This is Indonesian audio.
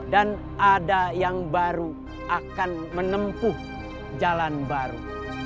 dan ada yang baru akan menempuh jalan baru